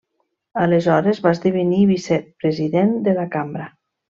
Aleshores va esdevenir vicepresident de la Cambra.